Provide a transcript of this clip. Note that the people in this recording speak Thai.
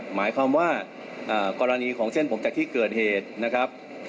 หมายความว่ากรณีของเส้นผมจากที่เกิดเหตุนะครับ